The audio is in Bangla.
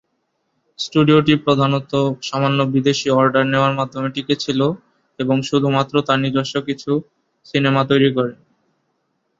স্টুডিওটি প্রধানত সামান্য বিদেশী অর্ডার নেওয়ার মাধ্যমে টিকে ছিল, এবং শুধুমাত্র তার নিজস্ব কিছু সিনেমা তৈরি করে।